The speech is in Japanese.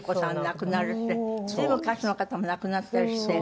亡くなるって随分歌手の方も亡くなったりして。